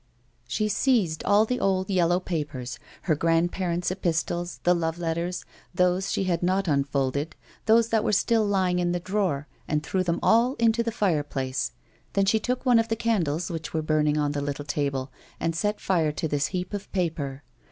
She seized all the old, yellow papers — her grandparents' epistles, the love letters, those she had not unfolded, those that were still lying in the drawer — and threw them all into the fireplace. Then she took one of the candles which were burning on the little table, and set fire to this heap of paper.